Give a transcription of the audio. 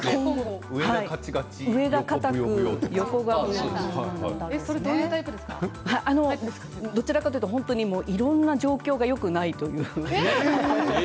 上がかたく横がブヨブヨどちらかというといろんな状況がよくないという。